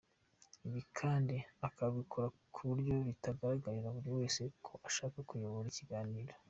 Ibi kandi ukabikora ku buryo bitagaragarira buri wese ko ushaka kuyobora ibiganiro.